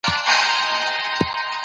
توبه ویستل ښه کار دی.